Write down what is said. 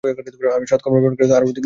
আমি সকর্মপরায়ণদেরকে আরও অধিক দান করব।